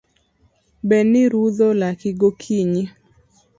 Be nirudho laki gokinyi?